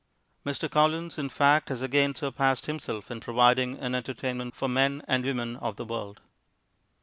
Mr. Collins, in fact, has again surpassed himself in providing an entertainment for men and women of the world.